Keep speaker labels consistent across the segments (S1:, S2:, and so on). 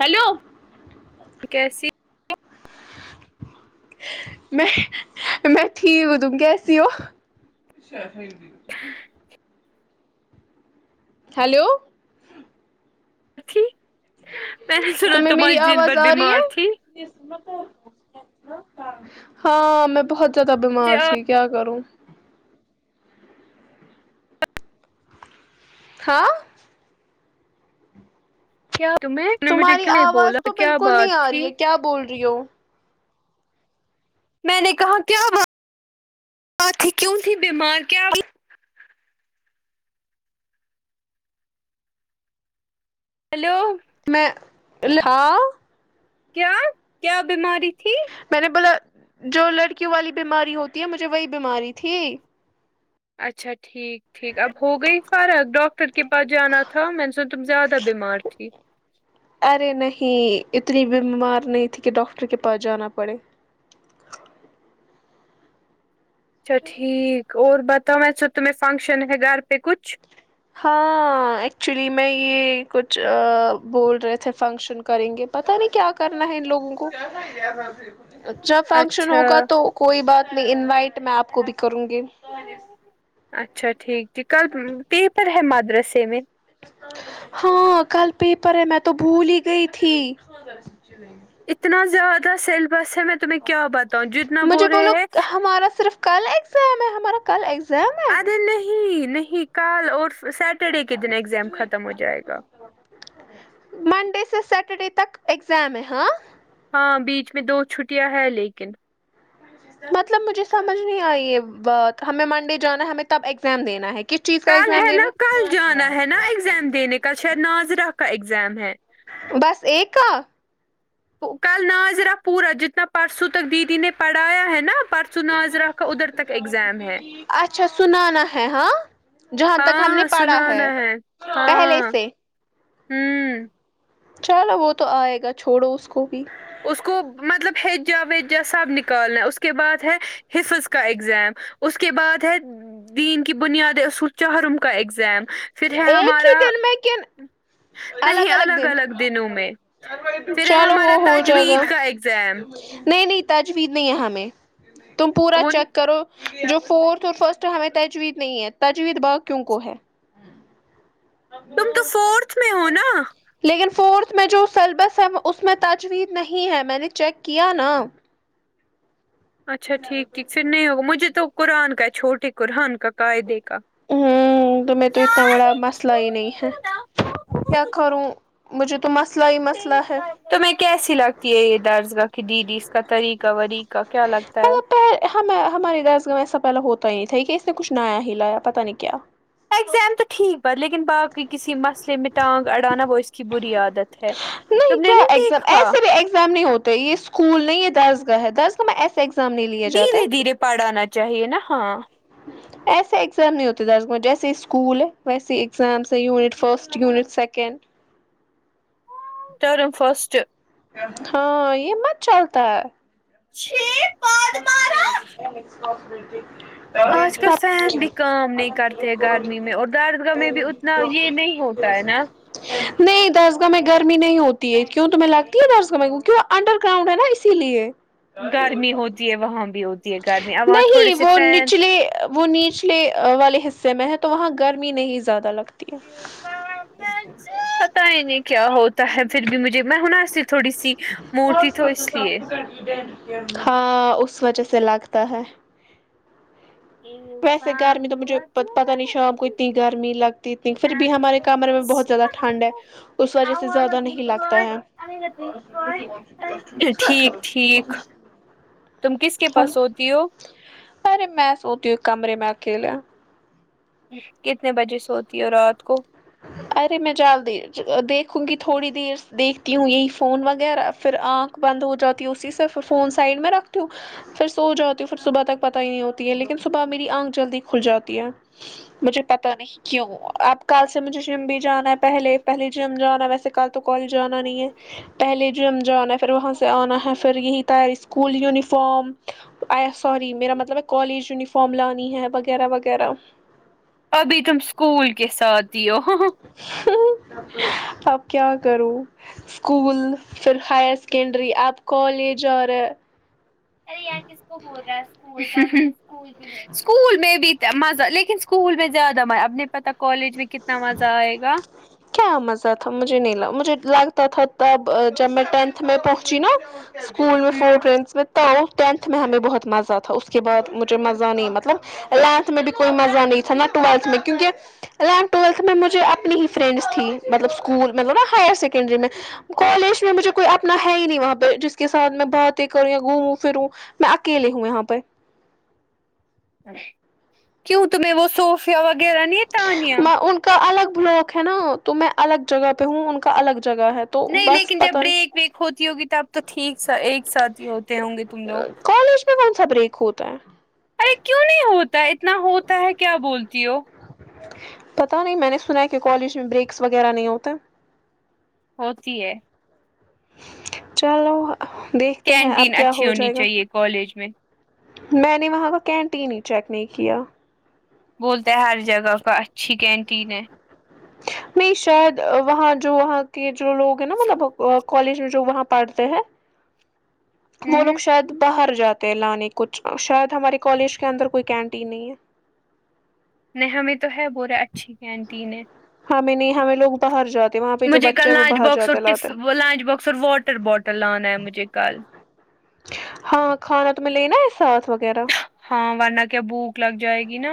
S1: hello
S2: کیسی
S1: میں میں ٹھییک ہوں تم کیسی ہو ہیلو
S2: تھی میں نے سنا
S1: تمہیں
S2: تم
S1: میری
S2: آج دن
S1: آواز
S2: بھر
S1: آ رہی
S2: بیمار
S1: ہے
S2: تھی
S1: ہاں میں بہت زیادہ
S2: مجھے
S1: بیمار تھی کیا کروں ہاں
S2: کیا تمہیں نے مجھے
S1: تمہاری
S2: کیوں نہیں
S1: آواز
S2: بولا
S1: تو
S2: کیا
S1: بالکل نی
S2: بات
S1: آ رہی
S2: تھی
S1: ہے کیا بول رہی ہو
S2: میں نے کہا کیا بات بات تھی کیوں تھی بیمار کیا ہیلو
S1: میں ہاں
S2: کیا کیا بیماری تھی
S1: میں نے بولا جو لڑکیوں والی بیماری ہوتی ہے مجھے وہی بیماری تھی
S2: اچھا ٹھیک ٹھیک اب ہو گئی فرق ڈاک ر کے پاس جانا تھا م میں نے سوچا زیادہ بیمار تھی
S1: ارے نہیں اتنی بیمار نہیں تھی کہ ڈاکٹر کے پاس جانا پڑے
S2: اچھا ٹھیک اور بتاؤں میں تمہیں فنکشن ہے گھر پہ کچھ
S1: ہاں ایکچولی میں یہ کچھ بول رہے تھے فنکشن کریں گے پتہ نہیں کیا کرنا ہے ان لوگوں کو جب فنکشن
S2: اچھا
S1: ہوگا تو کوئی بات نہیں انوائٹ میں آپ کو بھی کروں گی
S2: اچھا ٹھیک ٹھ کل پیپر ہے مدرسے میں
S1: ہاں کل پیپر ہے میں تو بھول ہی گئی تھی [unintelligible]
S2: اتنا زیادہ سیلبس ہے میں تمہیں کیا بتاؤں جتنا
S1: مجھے
S2: بول رہے
S1: بولو
S2: ہے
S1: ہمارا صرف کل ایگزام ہے ہمارا کل ایگزام ہے
S2: ارے نہیں نہیں کل اور سیٹرڈے کے دن ایگزام ختم ہو جائے گا
S1: منڈے سے سیٹرڈے تک ایگزام ہے ہاں
S2: ہاں بیچ میں دو چھٹیاں ہیں لیکن
S1: مطلب مجھے سمجھ نہیں آئی ہے بات ہمیں منڈے جانا ہے ہمیں تب ایگزام دینا ہے کس چیز کا
S2: کل
S1: ایگزام
S2: ہے نا
S1: دینا
S2: کل
S1: ہے
S2: جانا ہے نا ایگزام دینے کل شاید ناظرہ کا ایگزام ہے
S1: بس ایک کا
S2: کل ناضرا پورا جتنا پرسوں تک دیدی نے پڑھایا ہے نا پرس ناضیرہ کا ادھر تک ایگزام ہے
S1: اچھا سنانا ہے ہاں جہاں تک ہم نے
S2: ہاں
S1: پڑھا
S2: سنانا ہے
S1: پہلے
S2: ہاں
S1: سے
S2: ہوں
S1: چلو وہ تو آئے گا چھوڑو اس کو بھی
S2: اس کو مطلب ہیج جا وج جا سب نکالنا ہے اس کے بعد ہے حفظ کا اگزام اس کے بعد ہے دین کی بنیاد اصول چہرم کا اگزام
S1: ایک ہی دن میں کن الگ
S2: نہیں
S1: الگ دن
S2: دنوں میں پھر ہے
S1: چلو
S2: ہمارا
S1: وہ ہو جائے گا
S2: تجوید کا ایگزام
S1: نہیں نہیں تجوید نہیں ہے ہمیں تم پورا
S2: وہ
S1: چیک
S2: نہیں
S1: کرو جو فورتھ اور فرسٹ ہمیں تجوید نہیں ہے تجوید با کیوں کو ہے اور وہ
S2: تم تو فورتھ میں ہو
S1: بتاؤ
S2: نا
S1: لیکن فورتھ میں جو سیلیبس ہے اس میں تجویزد نہیں ہے میں نے چیک کیا نا
S2: اچھا ٹھیک ٹھیک پھر نہیں ہوگا مجھے تو قرآن کا ہے چھوٹے قرآن کا قاعدے کا
S1: تہیں تو اتنا بڑا مسئلہ ہی نہیں ہے کیا کروں مجھے تو مسئلہ ہی مسئلہ ہے
S2: تومیں کیسی لگتی ہے یہ درج گا کہ دیدی اس کا طریقہ وریقہ کیا لگتا ہے
S1: پہل ہم ہماریے داس گاہں ایسا پہلے ہوتا ہی نہیں تھا کہ اسے کچھ نایا ہی لایا پتاہ نہیں کیا
S2: اگزام تو ٹھیک بات لیکن باقی کسی مسئلے میں ٹانگ اڑانا وہ اس کی بری عادت ہے
S1: نہیں
S2: تم نے
S1: کیا ایگزام
S2: دیکھا
S1: ایسے بھی ایگزام نہیں ہوتے یہ اسکول نہیں یہ دسگاہ ہے دسگاہ میں ایسے ایگزام نہیں لیے جاتے
S2: دھیرے دھیرے پڑ آنا چاہیے نا ہاں
S1: ایسے ایگزام نہیں ہوتے د جیسے ہی اسکول ہے ویسے exams unit first unit second
S2: term first
S1: ہاں یہ مت چلتا ہے
S2: [unintelligible]
S1: [unintelligible]
S2: آج کل فین بھی کام نہیں کرتے ہیں گرمی میں اور درسگاہ میں بھی اتنا یہ نہیں ہوتا ہے نا
S1: نہیں درسگاہ میں گرمی نہیں ہوتی ہے کیوں تمہیں لگتی ہے درسگاہ میں کیونکی انڈر گراؤنڈ ہے نا اسی لیے
S2: گرمی ہوتی ہے وہاں بھی ہوتی ہے گرمی اب وہاں تھوڑے
S1: نہیں
S2: سے
S1: وہ
S2: فین
S1: نچلے وہ نیچلے والے حصے میں ہیں تو وہاں گرمی نہیں زیادہ لگتی ہے
S2: پت ہی نہیں کیا ہوتا ہے پھر بھی مجھے میں ہنا تھوڑی سی موٹی تو اس لیے
S1: ہاں اس وجہ سے لگتا ہے
S2: [unintelligible] [unintelligible]
S1: ویسے گرمی تو مجھے پتہ نہیں شام کو اتنی گرمی لگتی اتنی پھر بھی ہمارے کمرے میں بہت زیادہ ٹھنڈ ہے اس وجہ سے زیادہ نہیں لگتا ہے
S2: ٹھیک ٹھیک تم کس کے
S1: ہاں
S2: پاس سوتی ہو
S1: ارے میں سوتی ہو کمرے میں اکیلے
S2: کتنے بجے سوتی ہو رات کو
S1: ارے میں جلدی دے دیکھوں گی تھوڑی دیر دیکھتی ہوں یہی فون وغیرہ پھر آنکھ بند ہو جاتی اسی سے پ یھر فون سائڈ میں رکھتی ہوں پھر سو جاتی ہوں پھر صبح تک پتا ہی نہیں ہوتی ہے لیکن صبح میری آنکھ جلدی کھل جاتی ہے مجھے پتا نہیں کیوں اب کل سے مجھے جم بھی جانا ہے پہلے پہلے جم جانا ہے ویسے کل تو کالج جانا نہیں ہے پہلے جم جانا ہے پھر وہاں سے آنا ہے پھر یہی تیاری اسکول یونیفارم سوری میرا مطلب ایک کالج یونیفارم لانی ہے وغیرہ وغیرہ
S2: ابھی تم اسکول کے ساتھ ہی ہو
S1: اب کیا کروں اسکول پھر ہائر سیکنڈری اب کالج اور
S2: ارے کس کو ہو رہا اسکول اسکول میں بھی مزہ لیکن اسکول میں زیادہ م اب نہیں پتا کالج میں کتنا مزہ آئے گا
S1: کیا مزہ تھا مجھے نہیں مجھے لگتا تھا تب جب میں ٹینتھ میں پہنچی نا اسکول میں فور
S2: ہوں
S1: فرینڈس تو ٹینتھ میں ہمیں بہت مزہ تھا اس کے بعد مجھے مزہ نہیں مطلب الیونتھ میں بھی کوئی مزہ نہیں تھا نا ٹویلتھ میں کیونکہ الیوننتھ ٹویلتھ میں مجھے اپنی ہی فرینڈس تھی مطلب اسکول مطلب نا ہائر سیکنڈری میں کالج میں مجھے کوئی اپنا ہے ہی نہیں وہاں پہ جس کے ساتھ میں باتیں کروں یا گھوموں پھروں میں اکیلے ہوں یہاں پر
S2: کیوں تمہیں وہ صوفیا وغیرہ نہیں تانیہ
S1: میں ان کا الگ بلاک ہے نا تو میں الگ جگہ پہ ہوں ان کا الگ جگہ ہے تو
S2: نہیں
S1: بس
S2: لیکن جب
S1: پتہ نہیں
S2: بریک ویک ہوتی ہوگی تو اب تو ٹھیک ایک ساتھ ہی ہوتے ہوں گے تم لوگ
S1: کالج میں کون سا بریک ہوتا ہے
S2: کیوں نہیں ہوتا اتنا ہوتا ہے کیا بولتی ہو
S1: پتا نہیں میں نے سنا ہیں کہ کالج میں بریکس وغیرہ نہیں ہوتے
S2: ہوتی ہے
S1: چلو دیکھ
S2: کینٹین اچھی ہونی چاہیے کالج میں
S1: میں نے وہاں پر کینٹین ہی چیک نہیں کیا
S2: بولتا ہر جگہ کا اچھی کینٹین ہے
S1: نہیں شاید وہاں جو وہاں کے جو لوگ ہیں نا مطلب کالج میں جو وہاں پڑھتے ہیں وہ
S2: ہوں
S1: لوگ شاید باہر جاتے لانے کچھ شاید ہمارے کالج کے اندر کوئی کینٹین نہیں ہے
S2: نہیں ہمیں تو ہے بورے اچھی کینٹین ہے
S1: ہمیں نہیں ہمیں لوگ باہر جاتے وہاں پہ جو
S2: مجھے
S1: بچے
S2: کل
S1: ہیں وہ
S2: لنچ
S1: باہر
S2: باکس
S1: جاتے لاتے
S2: اور لنچ باکس اور واٹر بوٹل لانا ہے مجھے کل
S1: ہاں کھانا تو میں لینا ہے ساتھ وغیرہ
S2: ہاں ورنہ کیا بھوک لگ جائے گی نا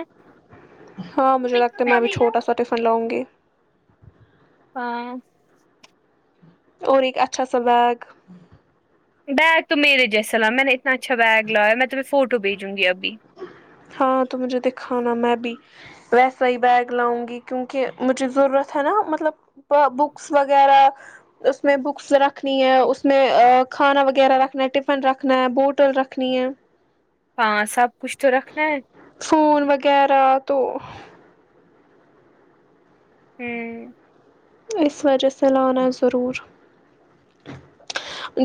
S1: ہاں مجھے لگتا ہے میں بھی چھوٹا سا ٹفن لاونگی
S2: ہاں
S1: اور ایک اچھا سا بیگ
S2: بیگ تو میرے جیسا لا نا میں نے اتنا اچھا بیگ لایا میں تمہیں فوٹو بھیجوں گی ابھی
S1: ہاں تو مجھے دکھانا میں بھی ویسا ہی بیگ لاؤں گی کیونکہ مجھے ضرورت ہے نا مطلب بکس وغیرہ اس میں بکس رکھنی ہے اس میں کھانا وغیرہ رکھنا ہے ٹفن رکھنا ہے بوٹل رکھنی ہے
S2: ہاں سب کچھ تو رکھنا ہے
S1: فون وغیرہ تو
S2: ہوں
S1: اس وجہ سے لانا ضرور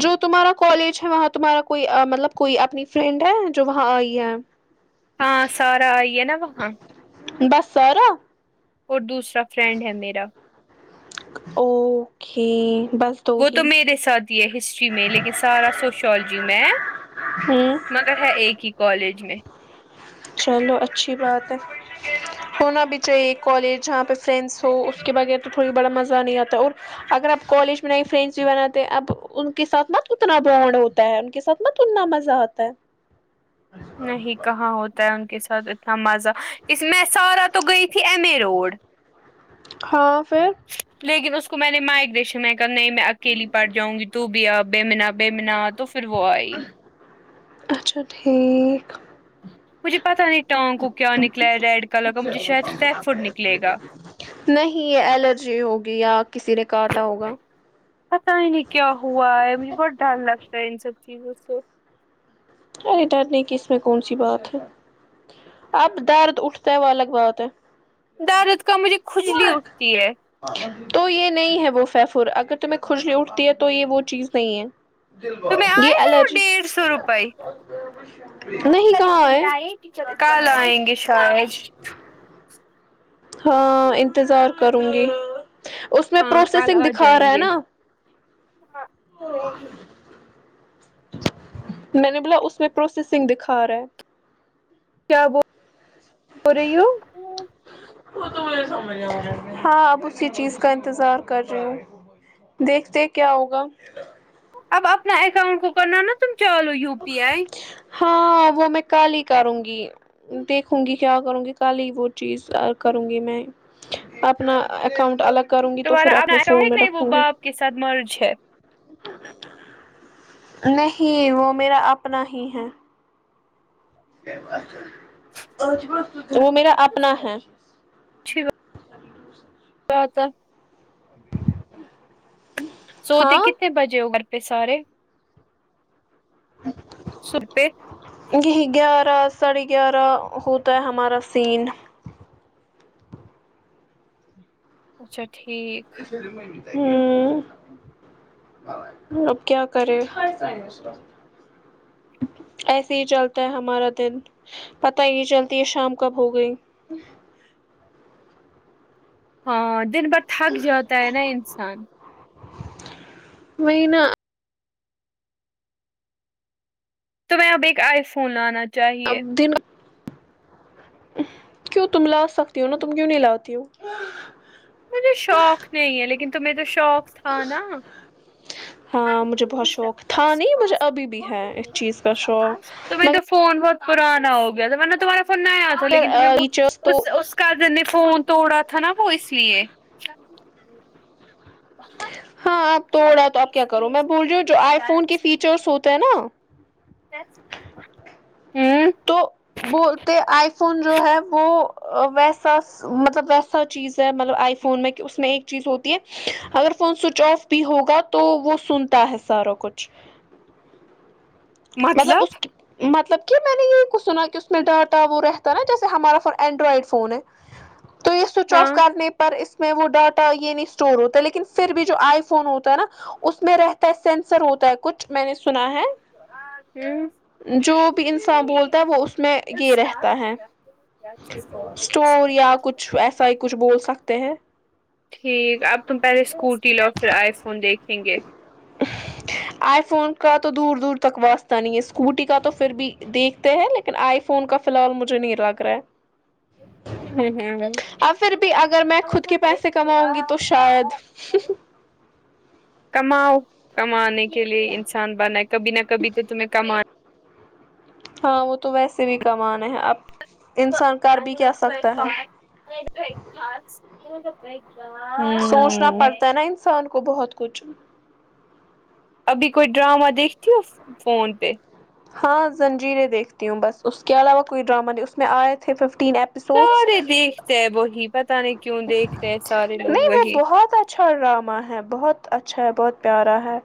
S1: جو تمہارا کالج ہے وہاں تمہارا کوئی مطلب کوئی اپنی فرینڈ ہے جو وہاں آئی ہے
S2: ہاں سارا آئی ہے نا وہاں
S1: بس سارا
S2: اور دوسرا فرینڈ ہے میرا
S1: اوکے بس دو
S2: وہ تو
S1: ہی
S2: میرے ساتھ ہی ہے ہسٹری میں لیکن سارا سوشولوجی میں ہے
S1: ہ
S2: مگر ہے ایک ہی کالج میں
S1: چلو اچھی بات ہے ہونا بھی چاہیے کالج جہاں پہ فرینڈس ہو اس کے بغیر تو تھوڑی بڑا مزہ نہیں آتا اور اگر آپ کالج میں نئی فرینڈس بھی بناتے ہیں اب ان کے ساتھ مت اتنا بانڈ ہوتا ان کے ساتھ میں کتنا مزہ آتا ہے
S2: نہیں کہاں ہوتا ہے ان کے ساتھ اتنا مزہ اس میں سارا تو گئی تھی ایم اے روڈ
S1: ہاں پھیر
S2: لیکن اس کو میں نے مائگریشن میں کہا نہیں میں اکیلی پڑ جاؤں گی تو بھی آپ بے منا بے منا تو پھر وہ آئی
S1: اچھا ٹھیک
S2: مجھے پتا نہیں ٹگ کو کیا نکلا ہے ریڈ کلر کا مجھے شاید فیک فوڈ نکلے گا
S1: نہیں یہ الرجی ہوگی یا کسی نے کاٹا ہوگا
S2: پتا ہی نہیں کیا ہوا ہے مجھے بہت ڈر لگتا ہے ان سب چیزوں سے
S1: ارے ڈر نے کی اس میں کون سی بات ہے اب درد اٹھتا ہے و لگواتے ہے
S2: دارد کا مجھے کھجلی اٹھتی ہے
S1: تو یہ نہیں ہے وہ فیفر اگر تمہیں کھجلی اٹھتی ہے تو یہ وہ چیز نہیں ہے
S2: تو میں
S1: یہ
S2: آئے پھر وہ
S1: ایلرجی
S2: ڈیڑھ سو روپئے
S1: نہیں کہاں ائے
S2: کل آئیں گے شاید
S1: ہاں انتظار کروں گی اس میں
S2: ہاں کل
S1: پروسیسنگ
S2: آ
S1: دکھا
S2: جائیں
S1: رہا ہے
S2: گے
S1: نا و میں نے بولا اس میں پروسیسنگ دکھا رہا ہے
S2: کیا بول رہی ہو
S1: ہاں اب اسی چیز کا انتظار کر رہی ہو دیکھتے ہے کیا ہوگا
S2: اب اپنا اکاؤنٹ کو کرنا نا تم چالو یو پی آئی
S1: ہاں وہ میں کل ہی کروں گی دیکھوں گی کیا کروں گی کل ہی وہ چیز کروں گی میں اپنا اکاؤنٹ الگ کروں گی تو پھر
S2: تمہارا اپنا
S1: اپنے
S2: اکاؤنٹ ہے
S1: فون میں
S2: نہیں وہ
S1: رکھوں گی
S2: باپ کے ساتھ مرج ہے
S1: نہیں وہ میرا اپنا ہی ہے وہ میرا اپنا ہے
S2: اچھی [unintelligible] سوتی
S1: ہاں
S2: کتنے بجے ہو گھر پے سارے [unintelligible]
S1: یہی گیارہ ساڑھے گیارہ ہوتا ہے ہمارا سین
S2: اچھا ٹھیک
S1: ہوں اب کیا کرے ایسے ہی چلتا ہے ہمارا دن پتہ ہی چلتی یہ شام کب ہو گئی
S2: ہاں دن بھر تھک جاتا ہے نا انسان
S1: وہی نا
S2: تو میں اب ایک آئی فون لانا تھا
S1: اب دن کیوں تم لا سکتی ہو نا تم کیوں نہیں لاتی ہو
S2: مجھے شوق نہیں ہے لیکن تمہیں تو شوق تھا نا
S1: ہاں مجھے بہت شوق تھا نہیں مجھے ابھی بھی ہے اس چیز کا شوق
S2: تمہیں
S1: مگر
S2: تو فون بہت پرانا ہو گیا تھا میں نے تمہارا فون نہیں آیا تھا
S1: مگر
S2: لیکن تمہے وہ
S1: فیچرس تو
S2: اسکا میں نے فون توڑا تھا نا وہ اس لیے اچھ
S1: ہاں آپ توڑ رہا تو اب کیا کرو میں بول رہی ہوں جو آئی فون کے فیچرس ہوتے ہیں نا
S2: ہوں
S1: تو بولتے آئی فون جو ہے وہ ویسا مطلب ویسا چیز ہے مطلب آئی فون فون میں اس میں ایک چیز ہوتی ہے اگر فون سوئچ آف بھی ہوگا تو وہ سنتا ہے سارا کچھ مطلب اس کی مطلب کہ میں نے یہ کوچ سنا کہ اس میں ڈاٹا وہ رہتا نا جیسے ہمارا فون اینڈرائڈ فون ہے تو یہ سوئچ آف
S2: ہاں
S1: کرنے پر اس میں وہ ڈاٹا یہ نہیں اسٹور ہوتا لیکن پھر بھی جو آئی فون ہوتا ہے نا اس میں رہتا ہے سینسر ہوتا ہے کچھ میں نے سنا ہے
S2: ہوں
S1: جو بھی انسان بولتا ہے وہ اس میں یہ رہتا ہے اسٹور یا کچھ ایسا ہی کچھ بول سکتے ہیں
S2: ٹھیک اب تم پہلے اسکوٹی لو اور پھر آئی فون دیکھیں گے
S1: آئی فون کا تو دور دور تک واسطہ نہیں ہے اسکوٹی کا تو پھر بھی دیکھتے ہیں لیکن آئی فون کا فی لحال مجے نہیں لگ رہا ہے
S2: ہوں ہوں
S1: ا پھر بھی اگر میں خود کے پیسے کماؤں گی تو شاید
S2: کماؤ کمانے کے لیے انسان بنا ہے کبھی نہ کبھی تو تمہیں کمان
S1: ہاں وہ تو ویسے بھی کمانا ہیں اب انسان کر بھی کیا سکتا ہے
S2: نہیں تو ایک خاس کر ایک [unintelligible]
S1: سوچنا پڑتا ہے نا انسان کو بہت کچھ
S2: ابھی کوئی ڈرامہ دیکھتی ہو فون پہ
S1: ہاں زنجیریں دیکھتی ہوں بس اس کے علاوہ کوئی ڈرامہ نہیں اس میں آئے تھے ففٹین اپ
S2: سارے دیکھتے ہیں وہی پتاہ نہیں کیوں دیکھ رہے ہیں سارے لوگ
S1: نہیں وہ
S2: وہی
S1: بہت اچھا ڈرامہ ہے بہت اچھا ہے بہت پیارا ہے